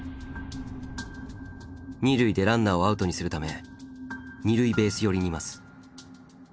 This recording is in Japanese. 二塁でランナーをアウトにするため二塁ベース寄りにいます。